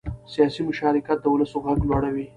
سیاسي مشارکت د ولس غږ لوړوي